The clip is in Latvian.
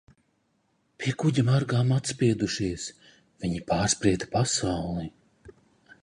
Pie kuģa margām atspiedušies, viņi pārsprieda pasauli.